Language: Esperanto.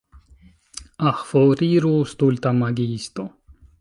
Ah, foriru stulta magiisto.